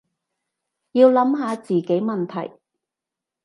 要諗下自己問題